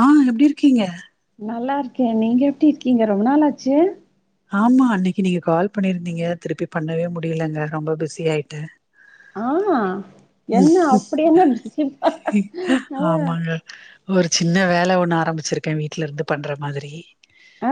ஆ எப்படி இருக்கீங்க நல்லா இருக்கே நீங்க எப்படி இருக்கீங்க ரொம்ப நாாளாச்சு ஆமா அன்னைக்கு நீங்க கால் பண்ணியிருந்தீங்க திருப்பி பண்ணவே முடியலங்க ரொம்ப பிஸி ஆயிட்டேன் ஆ என்ன அப்படி என்ன பிசி ஆ அ ஒரு சின்ன வேல ஒன்னு ஆரம்பிச்சிருக்கேன் வீட்டுல இருந்து பண்ணுற மாதிரி ஆ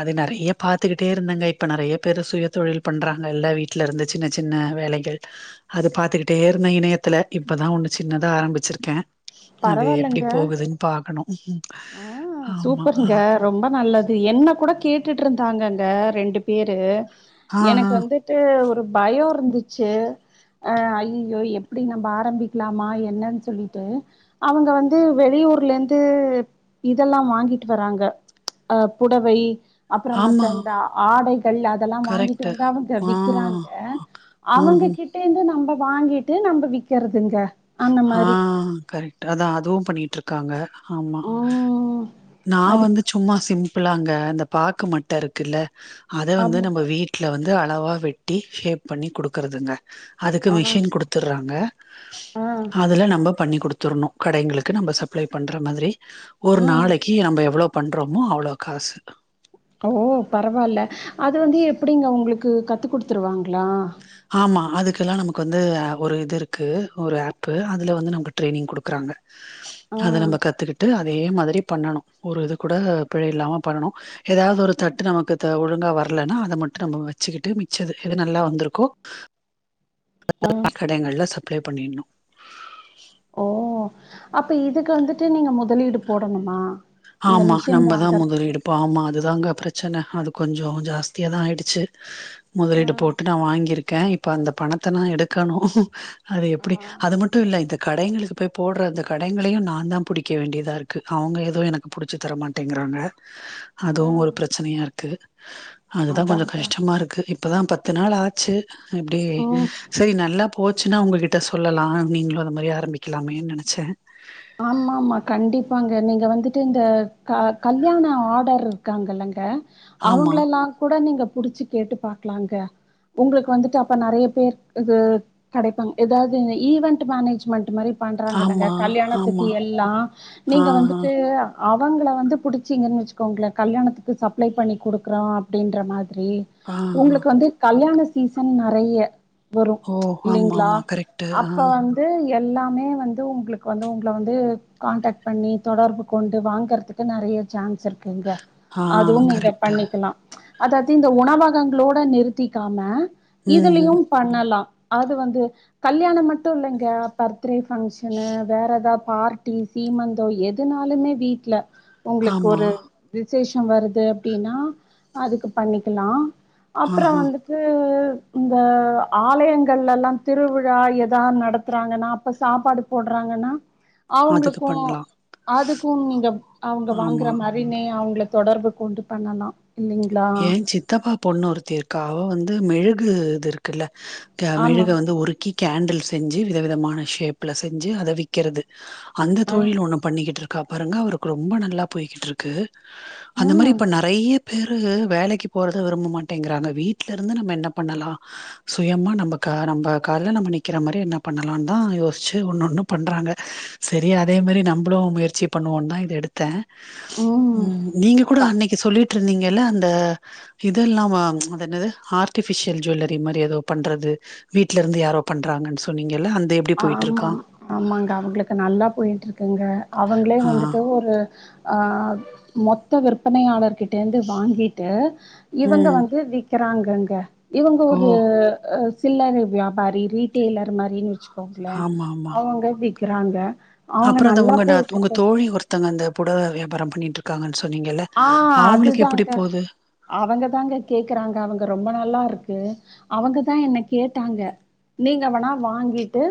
அது நிறைய பாத்துக்கிட்டே இருந்தேங்க இப்ப நிறைய பேரு சுய தொழில் பண்றாங்க எல்லா வீட்டுல இருந்து சின்ன சின்ன வேலைகள் அது பாத் கத்துக்கிட்டே இருந்த இணையத்துல இப்பதா ஒன்னு சின்னதா ஆரம்பிச்சிருக்கே அது எப்படி பரவால்லங்க போகுதுன்னு பாகணு உம் ஆ சூப்பர்ங்க ரொம்ப நல்லது என்ன கூட கேட்டுட்டு இருந்தாங்க ரெண்டு பேரு ஆ ஆ எனக்கு வந்து வந்துட்டு ஒரு பயம் இருந்துச்சு அ அய்யயோ எப்படி நம்ம ஆரம்பிகலாமா என்னனு சொல்லிட்டு அவங்க வந்து வெளியூர்ல இருந்து இதெல்லா வாங்கிட்டு வராங்க அ புடவை அப்புற ஆமா மத்த இந்த ஆடைகள் அதெல்லா வாங்கிட்டு கரெக்ட்டு. வந்து அவங்க ஆ விக்கிறாங்க அவங்க ம்ஹ்ம். கிட்டே இருந்து நம்ம வாங்கிடு நம்ம விக்கறதுங்க ஆ கரக்ட் அதா அதுவு பண்ணிட்டு இருக்காங்க ஆமா ம் நா அது வந்து சும்மா சிம் லாங்க அ பாக்கு மட்ட இருக்குல்ல அத வந்து ஆமா நம்ம வீடு வந்து அளவா வெட்டி சேப் பண்ணி கொடுக்கறதுங்க அதுக்கு ஆ மிஷின் கொடு டுத்துடுறாங்க அதுல நம்ம பண்ணி கொடுத்துடணு கடைங்களுக்கு நம்ம சப்ளை பண்ற மாரி ஒரு ம் நாளைக்கு நம்ம எவ்வளவு பண்றோமோ அவளோ காசு ஓ பரவால்ல அது வந்து எப்படிங்க உங்களுக்கு கத்து கொடுத்துருவாகளா ஆமாம் அதுக்கெல்லாம் நமக்கு வந்து ஒரு இது இருக்குது ஒரு ஆப்பு அதலா வந்து நமக்கு ட்ரெயினிங் கொடுக்குறாங்க ஆ அத நம்ம கத்துக்கிட்டு அதே மாரி பண்ணணு ஒரு இது கூட பிழை இல்லாம பண்ணணு ஏதாவது ஒரு தட்டு நமக்கு ஒழுங்கா வரலன்னா அத மட்டு நம்ம வச்சுக்கிட்டு மிச்சது எது நல்லா வந்திருகோ [unintelligible] ஆ கடைகள்ல சப்ளை பண்ணிணு ஓ அப்ப இதுக்கு வந்துட்டு நீங்க முதலீடு போடணுமா இந்த ஆமா மிஷின் நம்மதா வாங்கறதுக்கு? முதலிடு இப்போ ஆமா அதுதாங்க பிரச்சன அது கொஞ்சொ ஜாஸ்தியா தா ஆயிடுச்சு ஆ முதலீடு போட்டு நா வாங்கிறுக்கே இப்ப அந்த பணத்த நா எடுக்கணு அது ஆ எப்படி அது மட்டு இல்ல இந்த கடைகளுக்கு போய் போடுறது கடைகளையு நா தா பிடிக்க வேண்டியதா இருக்கு அவங்க ஏதோ எனக் கு புடிச்சு தரமாட்டேங்கிறாங்க ஆ அதுவு ஒரு பிரசனையா இருக்கு அதுதா அதா கொஞ்ச அதா கஷ்டமா இருக்கு இப்பதா பத்து நாள் ஆச்சு இப்டி ம் சரி நல்லாப் போச்சுனா உங்கள் கிட்ட சொல்லலா நீங்களு அத மாதிரி ஆரம்பிக்கலாமேனு நினைச்சே ஆமாம்மா கண்டிபாங்க நீங்க வந்துட்டு இந்த க கல்யாண ஆர்டர் இருக்காங்கல்லங்க ஆமா அவங்ளல்லா கூட நீங்க புடிச்சு கேட்டு பாக்கலாங்க உங்களுக்கு வந்துட்டு அப்ப நறைய பேர் இது கடைபாங்க ஏதாவது இந்த ஈவென்ட் மேனேஜ்மெண்ட்டு மாரி பண்றாகல்லங்க ஆமா கல்யாணத்துக்கு ஆமா எல்லா ஆ நீங்க ஆ வந்துட்டு அவங்கள வந்து புடிச்சிங்கனு வச்சுகோங்களே கல்யாணத்துக்கு சப்ளை பண்ணி கொடுக்குறோ அப்படின்ற மாதிரி ஆ ஆ உங்களுக்கு வந்து கல்யாண சீசன் நறைய வரு ஓ ஆமா இல்லைங்களா ஆமா கரெக்ட்டு ஆ அப்ப வந்து எல்லாமே வந்து உங்களுக்கு வந்து ல வந்து கான்டக் பண்ணி தொடர்பு கொண்டு வாங்கறதுக்கு நிறைய சான்ஸ் இருக்கு எங்க ஆ அதுவு நீங்க கரெக்ட்டு பண்ணிக்கலா அதாவது இந்த உணவகங்களோடு நிறுத்திகாம ம் ம் இதுலயும் பண்ணலா அது வந்து கல்யாண மட்டு இல்லைங்க பர்த்ரே பங்ஷன்னூ வேற ஏதாவ பார்ட்டி சீமந்தோ எதுனாலுமே வீட்ல உங்களுக்கு ஆமா ஒரு விசேஷம் வருது அப்படின்னா அதுக்கு பண்ணிகலா அப்புற வந்து [unintelligible] இந்த ஆலயங்கள்லெல்லா திருவிழா ஏதா நடத்துறாகன்னா அப்ப சாப்பாடு போடுறாங்கன்னா அதுக்கு அவங்களுக்கு பண்லா அதுக்கு நீங்க அவங்க வாங்கற ஆமா மாரி ரிநே அவங்கள தொடர்பு கொண்டு பண்ணலா இல்ல ஏன் சித்தப்பா பொண்ணு ஒருத்தி இருக்கா அவ வந்து மெழுகு இது இருக்குல்ல ஹ ஆமா. மெழுக வந்து உருக்கி கேண்டில் செஞ்சு வித விதமான ஷேப்ல செஞ்சு அதை விக்கிறது அந்த ஆ. தொழில் ஒண்ணு பண்ணிக்கிட்டு இருக்கா பாருங்க அவருக்கு ரொம்ப நல்லா போய்கிட்டு இருக்கு அந்த மாரி ம். இப்ப ந நிறைய பேரு வேலைக்கு போறத விரும்ப மாட்டேங்கிறாங்க வீட்டு்ல இருந்து நம்ம என்ன பண்ணலாம் சுயமா நம்ப க நம்ப கால்ல நம்ப நிக்கிற மாரி என்ன பண்ணலான் தான் யோசிச்சு ஒண்ணு ஒண்ணு பண்றாங்க சரி அதே மாரி நம்முளும் முயற்சி பண்ணுவோன்னு தான் இத எடுத் த ம். நீங்க கூட க அன்னைக்கு சொல்லிட்டு இருந்தீங்கல்ல அந்த இது இல்லாம அது என்னது ஆர்ட்டிஃபிஷியல் ஜுவல்லரி மாரி ஏதோ பண்றது வீட்ல இருந்து யாரோ பண்றாங்கன்னு சொன்னீங்கல்ல அந்தே ஆமாங் ஆமாங்க அவங்களுக்கு நல்லா போயிட்டு இருக்குங்க அவங்களே ஆ. வந்துட்டு ஒரு ஆ மொத்த விற்பனையாளர்கிட்டே இருந்து வாங்கிட்டு இவங்க ம். வந்து வி விக்கிறாங்கங்க இவங்க ஓ! ஒரு சில்லரை வியாபாரி ரீடெய்லர் மாரின்னு வச்சு ல ஆமாமா. அவங்க விக்கிறாங்க அவங்க அப்புறம் அந்த நல்லா உங்க உங்க போயிட்ருக்கு தோழி ஒருத்தங்க அந்த புடவ வியாபாரம் பண்ணிட்டு இருக்காங்கன்னு சொன்னீங்கல்ல ஆஹ் அவங்களுக்கு எப்படி அதுதாங்க போகுது அவங்க தாங்க கேக்குறாங்க அவங்க ரொம்ப நல்லா இருக்கு அவங்கதான் என்ன கேட்டாங்க நீங்க வேனா வாங்கிட்டு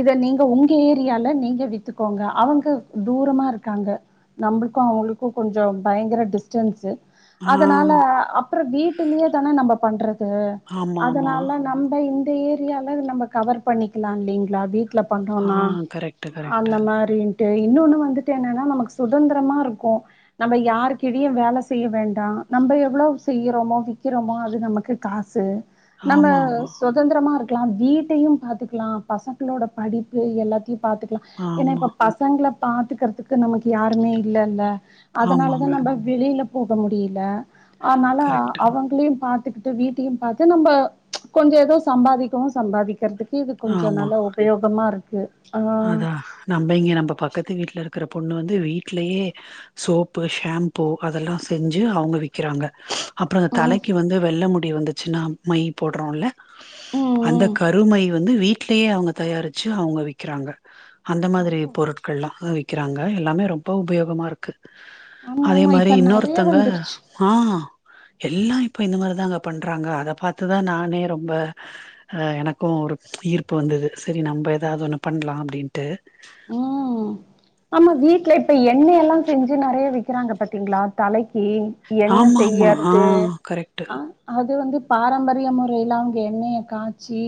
இத நீங்க உங்க ஏரியால நீங்க வித்துக்கோங்க அவங்க தூரமா இருக்காங்க நம்மளுக்கும் அவங்களுக்கும் கொஞ்சம் பயங்கர டிஸ்டன்ஸு ஆ அதனால அப்புறம் வீட்டுலயே தான நம்ம பண்றது ஆமா ஆமா அதனால நம்ம இந்த ஏரியால நம்ம கவர் பண்ணிக்கலாம் இல்லலைங்களா வீட்டு ட்ல ஆ பண்றோம்னா கரெக்ட் கரெக்ட் அந்த மாரி அப்டின்ட்டு இன்னொன்னு வந்துட்டு என்னன்னா நமக்கு சுதந்தரமா இருக்கும் நம்ப யாருக்கீழியும் வேல செய்ய வேண்டாம் நம்ப எவ்ளோ செய்றோமோ விக்கிறோமோ அது நமக்கு காசு நம்ம ஆமா ஆமா சு தந்தரமா இருக்கலாம் வீட்டையும் பாத்துக்கலாம் பசங்களோட படிப்பு எல்லாத்தையு பாத்துக்கலாம் ஏன்னா ஆமா இப்ப பசங்ள பாத்துக்கறதுக்கு நமக்கு யாருமே இல்லல்ல ஆமாங்க அதனாலதான் நம்ப வெளியில போக முடியில அதனால கரெக்ட் அவங் குளியு பாத்துக்கிட்டு வீட்டியும் பாத்து நம்ப கொஞ்சம் ஏதோ சம்பாதிக்கவு சம்பாதிக்கிற துக்கு இது கொஞ்ச ஆமா நல்லா உபயோகமா இருக்கு ஆஹ் அதான் நம்ப இங்க நம்ப பக்கத்து வீட்ல இருக்ற பொண்ணு வந்து வீட்லயே சோப்பு ஷாம்பூ அதெல்லா செஞ்சு அவங்க விக்றாங்க அப்புறம் இந்த ம் தலைக்கு வந்து வெள்ள முடி வந்துச்சுன்னா மை போடுறோன்ல ம் அந்த ம் கருமை வந்து வீட்லயே அவங்க தயாரிச்சு அவங்க விக்றாங்க அந்த மாதிரி பொருட்கள்லா அங்க விக்கிறாங்க எல்லாமே ரொம்ப உபயோகமாக இருக்கு ஆமா அதே ஆமா மாரி இப்ப நெறைய இன்னொருத்தங்க வந்துருச்சு ஆன் எல்லா இப்ப இந்த மாரிதாங்க பண்றாங்க அத பாத்துதான் நானே ரொம்ப அ எனக்கும் ஒரு ஈர்ப்பு வந்தது சரி நம்ப எதாது ஒண்ணு பண்ணலாம் அப்டின்ட்டு ம் ஆமா வீட்ல இப்ப எண்ணெய் எல்லாம் செஞ்சு நெறயா விக்றாங்க பாத்தீங்களா தலைக்கு எண்ணெ ஆமா ஆமா ஆ செய்யறது கரெக்ட் ஆன் அது வந்து பாரம்பரிய முறையில அவங்க எண்ணெய காய்ச்சி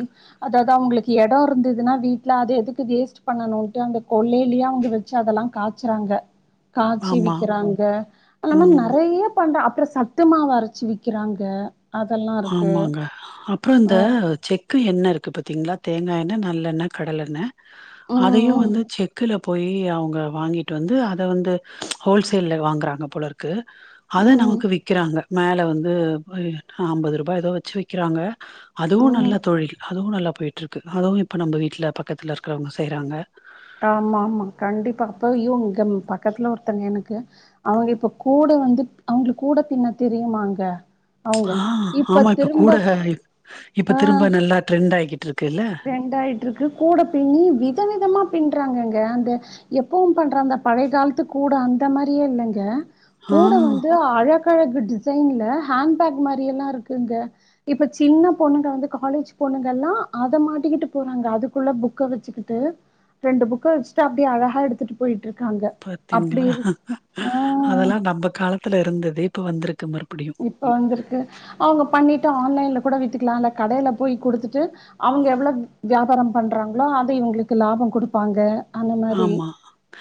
அதாது அவங்களுக்கு எடோ இருந்ததுன்னா வீட்ல அத எதுக்கு வேஸ்ட் பண்ணணுன்ட்டு அந்த கொள்ளேலயே அவங்க வச்சு அதெல்லா காச்சறாங்க காச்சி ஆமா விக்கிறாங்க அத இல்லாம ம் நெறைய பண்ற அப்புற சத்துமாவு அரச்சி விக்குறாங்க ஆமாங்க அப்பறம் ஆ இந்த செக் க்கு எண்ணெ இருக்கு பாத்தீங்களா தேங்காய் எண்ணெ நல்லெண்ணெ கடல் எண்ணெ அதையும் ம் வந்து செக்குல போய் அவங்க வாங்கிட்டு வந்து அத வந்து ஹோல்சேல்ல வாங்குறாங்க போல இருக்கு க்கு அத ம் ம் நமக்கு விக்கிறாங்க மேல வந்து அம்பது ரூபா ஏதோ வச்சு விக்கிறாங்க அதுவும் ம் நல்ல தொழில் நல்லா போயிட்டு கு அதுவும் இப்ப நம்ம வீட்ல பக்கத்துல இருக்றவங்க செய்றாங்க ஆமா ஆமா கண்டிப்பா அப்பயோ இங்க பக்கத்துல ஒருத்தங்க எனக்கு அவங்க இப்ப கூட வந்து அவங்களு கூட பின்ன தெரியுமாங்க அவங்க ஆ ஆமா இப்ப கூட திரும்ப இப்ப திரும்ப நல்லா ட்ரெண்ட் ஆய்கிட்டுருக்குல்ல ட்ரெண்ட் ஆய்ட்டுருக்கு கூட பின்னி வித விதமா பின்றாங்கங்க அந்த எப்பவும் பண்ற அந்த பழைய காலத்து கூட அந்த மாரியே இல்லங்க ஆ கூட வந்து அழக கா டிசைன்ல ஹேண்ட் பேக் மாரியெல்லா இருக்குங்க இப்ப சின்ன பொண்ணுங்க வந்து காலேஜ் பொண்ணுங்கல்லா அத மாட்டிக்கிட்டு போறாங்க அதுக்குள்ள புக்க வச்சுக்கிட்டு ரெண்டு புக்க வச்சுட்டு அப்டியே அழகா எடுத்துட்டு போயிட்டு இருக்காங்க பாத்தீங்களா ஆ அதெல்லா நம்ப காலத்துல இருந்தது இப்ப வந்திருக்கு மறுபடியும் இப்போ வந்திருக்கு அவங்க பண்ணிட்டு ஆன்லைன்ல கூட வித்துக்கலாம் அத கடையில போய் குடுத்துட்டு அவங்க எவளவ் வியாபாரம் பண்றாங்களோ அத இவங்களுக்கு லாபம் குடுப்பாங்க அந்த மாரி ஆமா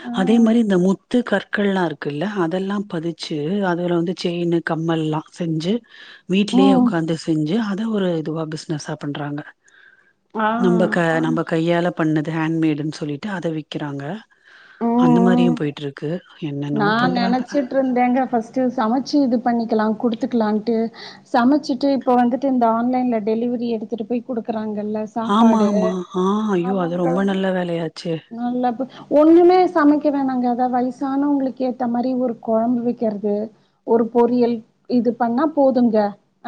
ஆ அதே மாரி இந்த முத்து கற்கள்ல்லாம் இருக்குல்ல அதெல்லாம் பதிச்சு அதுல வந்து செயினு கம்மல்லாம் செஞ்சு வீட்லயே ம் உக்காந்து செஞ்சு அத ஒரு இதுவா ப்சினஸா பண்றாங்க ஆ நம்ப க ஆமா நம்ப கையால பண்ணது ஹேண்மேடுன் சொல்லிட்டு அத விக்கிறாங்க அந்த ம் ம் மாரியு போயிட்டுரு க்கு என்னென்னவோ பண்றாங்கா பின்றாங்க ஃபஸ்ட்டு சமைச்சு இது பண்ணிக்கிலா குடுத்துக்கலான்ட்டு சமச்சிட்டு இப்ப வந்துட்டு இந்த ஆன்லைன்ல டெலிவரி எடுத்துட்டு போய் குடுக்குறாங்கல்ல ஆமா சாப்பாடு ஆமா ஆ ஐயோ அது ரொம்ப நல்ல வேலையாச்சே நல்லது ஒண்ணுமே சமைக்கவேனாங்க ஏதா வயிசானங்களுக்கு ஏத்த மாரி ஒரு கொழம்பு வைக்கறது ஒரு பொறியல் இது பண்ணா போதுங்க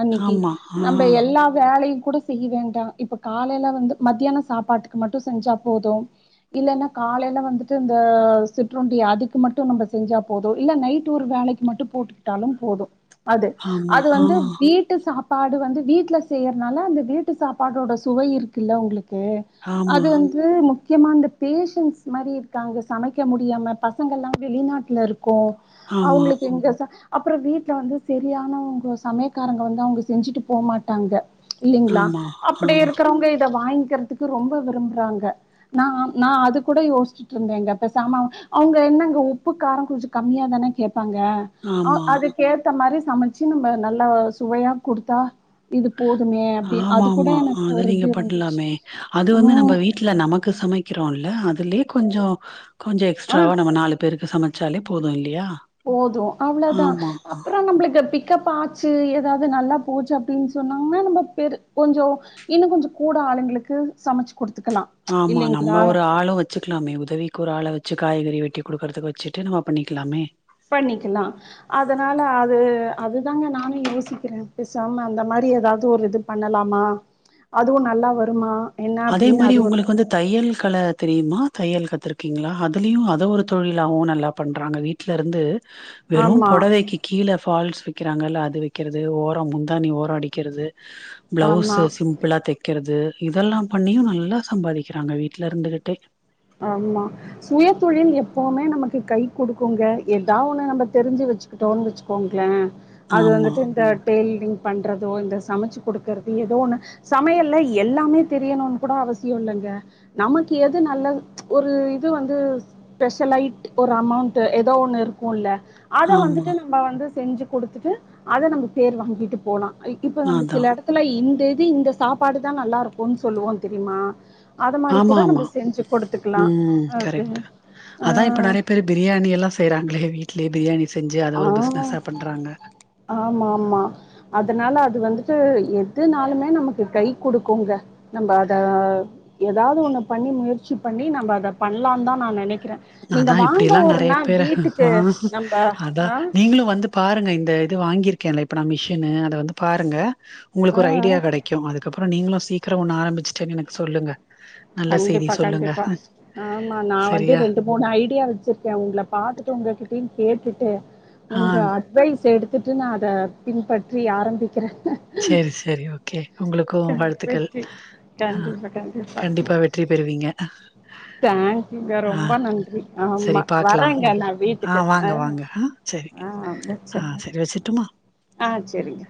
அன்னிக்கி ஆமா ஆ நம்ப எல்லா வேலையு கூட செய்ய வேண்டா இப்ப காலேல வந்து மத்தியான சாப்பாட்டுக்கு மட்டு செஞ்சா போதும் இல்லன்னா காலேல வந்துட்டு இந்த சிற்றுண்டி அதுக்கு மட்டு நம்ப செஞ்சா போது இல்ல நைட் ஒரு வேலைக்கு மட்டு போட்டுக்கிட்டாலு போதும் அது ஆமா அது ஆ வந்து வீட் டு சாப்பாடு வந்து வீட்ல செய்யறனால அந்த வீட்டு சாப்பாடோட சுவை இருக்குல்ல உங்குளுக்கு ஆமா அது வந்து முக்யமா இந்த பேஷன்ஸ் மாரி இருக்காங்க சமைக்க முடியாம பசங்கல்லா வெளிநாட்ல இருக்கோ ஆமா அவுங்களுக்கு இங்க ச அப்புறோ வீட்ல வந்து செரியானவங்க சமயக்காரங்க வந்து அவங்க செஞ்சுட்டு போமாட்டாங்க இல்லிங்களா ஆமா ஆ அப்படி இருக்கிறவங்க இத வாங்கிக்கறதுக்கு ரொம்ப விரும்புறாங்க நாம் நா அது கூட யோசுச்சு க்கிந்தேங்க இப்ப சாமா அவங்க என்னங்க உப்பு காரொ கொஞ்ச கம்மியாதான கேப்பாங்க அ ஆமா அதுக்கேத்த மாரி சமச்சு நம்ம நல்லா சுவையா குடுத்தா இது போதுமே அப்டின் அது கூட ஆமாமா எனக்கு அது ஒரு இது இருந்துச்சு அ ட்ல நமக்கு சமைக்கிறோல்ல அதுலே கொஞ்சோ கொஞ்சோ ஆ எக்ஸ்ட்ராவா நம்ம நாலு பேருக்கு சமச்சாலே போதூ இல்லியா போதூ அவ்ளோதா அப்புறோ நம்மளுக்கு பிக் கப் ஆச்சு ஏதாது நல்லா போச்சு அப்டின் சொன்னாங்கன்னா நம்ம பெரு கொஞ்சொ இன்னு கொஞ்ச கூட ஆளுங்களுக்கு சமச்சு குடுத்துக்கலா ஆமா இல்லைங்ளா நம்ம ஒரு ஆளூ வ ச்சுக்கலாமே உதவிக்கு ஒரு ஆள வச்சு காய்கறி வெட்டி குடுக்கறதுக்கு வச்சுட்டு நம்ம பண்ணிக்கிலாமே பண்ணிக்கிலா அதனால அது அதுதாங்க நானூ யோசிக்கிறே பெசாம அந்த மாரி எதாவ்து ஒரு இது பண்ணலாமா அதுவு நல்லா வருமா என்ன அதே அப்டின்னு மாரி அது ஒரு உங்களுக்கு வந்து தையல் கல தெரியுமா தையல் கத்துருக்கீங்களா அதுலயு அத ஒரு தொழிலாவு நல்லா பண்றாங்க வீட் வீட்ல இருந்து வெறு ஆமா பொடவைக்கி கீழே ஃபால்ஸ் வக்கிறாங்கல்ல அது வக்கிறது ஓரோ முந்தானி ஓர அடிக்கிறது ஆமா பிளவுஸு சிம்பிளா தக்கிறது இதெல்லா பண்ணியு நல்லா சம்பாதிக்கிறாங்க வீட்ல இருந்துக்கிட்டே ஆமா சுயதொழில் எப்போவுமே நமக்கு கை குடுக்குங்க ஏதா ஒண்ணு நம்ம தெரிஞ்சு வச்சு க்குட்டோன் வச்சுக்கோங்கள அது ஆமா வந்துட்டு இந்த டெய்லரிங் பண்றதோ இந்த சமச்சு குடுக்கறது ஏதோ ஒன்னு சமையல்ல எல்லாமே தெரியணுனு கூட அவசியொ இல்லங்க நமக்கு எது நல்லது ஒரு இது வந்து ஸ்பெஷலைட் ஒரு அமௌண்ட்டு ஏதோ ஒண்ணு இருக்குல்ல அத ஆமா வந்துட்டு நம்ப வந்து செஞ்சு கொடுத்துட்டு அத நம்ம பேர் வாங்கிட்டு போலா இ இப்ப நம்ம அதா சில எடத் துல இந்த இது இந்த சாப்பாடுதா நல்லா இருக்குன் சொல்லுவோ தெரியுமா அத மாரி ஆமா கூட நம்ப ஆமா செஞ்சு குடுத்துக்கலா ம் அது கரெக்ட்டு ஆ அதா இப்ப நெறைய பேரு பிரியாணி எல்லா செய்றாங்களே வீட்லேயே பிரியாணி செஞ்சு அத ஒரு ஆ பிஸ்னஸா பண்றாங்க ஆமா ஆமா அதனால அது வந்துட்டு எதுனாலுமே நமக்கு கை குடுக்குங்க நம்ப அத ஏதாவது ஒண்ணு பண்ணி முயற்சி பண்ணி நம்ம அத பண்லா தா நா நெனைக்கிற நீங்க அதா வாங்க இப்டியெல்லா ஒரு நெறைய நாள் பேரு வீட்டுக்கு ஆ நம்ப அதா ஆ நீங்களு வந்து பாருங்க இந்த இது வாங்கியிருக்கேல இப்ப நா மிஷினு அத வந்து பாருங்க உங்களுக்கு ஆ ஒரு ஐடியா கெடைக்கும் அதுக்கப்புற நீங்களு சீக்கிர ஒண்ணு ஆரம்பிச்சுட்டேன்னு எனக்கு சொல்லுங்க நல்ல செய்தி கண்டிப்பா சொல்லுங்க கண்டிப்பா ஆமா நா வந்து சரியா ரெண்டு மூணு ஐடியா வச்சிருக்கே உங்கள பாத்துட்டு உங்ககிட்டயு கேட்டுட்டு ஆ உங்க அ அட்வைஸ் எடுத்துட்டு நா அத பின்பற்றி ஆரம்பிக்கிறே செரி செரி ஓகே உங்களுக்கும் வாழ்த்துக்கள் ஆ கண்டிப்பா வெற்றி பெறுவீங்க க்க ங்க ஆ ரொம்ப நன்றி சரி ஆமா பாக்கலா வரேங்க நா வீட்டுக்கு ஆ செரி ஆ ஆ வச்சறே செரி வச்சிட்டுமா ஆ செரிங்க